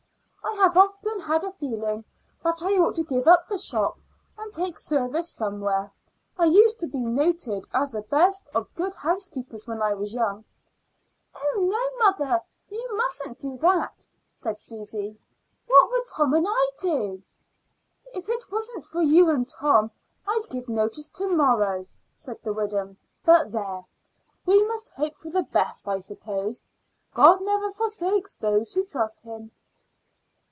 I have often had a feeling that I ought to give up the shop and take service somewhere. I used to be noted as the best of good housekeepers when I was young." "Oh, no, mother, you mustn't do that," said Susy. "What would Tom and I do?" "If it wasn't for you and Tom I'd give notice to morrow," said the widow. "But there! we must hope for the best, I suppose. God never forsakes those who trust Him."